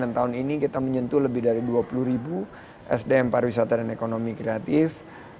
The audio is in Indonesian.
dan tahun ini kita menyentuh lebih dari dua puluh ribu sdm pariwisata dan ekonomi kreatif